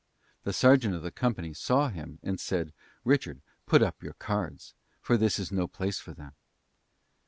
The sergeant of the company saw him, and said, "Richard, put up your cards; for this is no place for them."